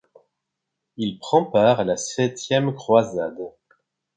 Il prend part à la Septième croisade.